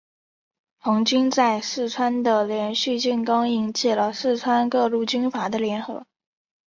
红军在四川的连续进攻引起了四川各路军阀的联合。